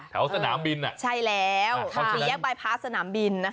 แถวสนามบินอ่ะใช่แล้วสี่แยกบายพาร์ทสนามบินนะคะ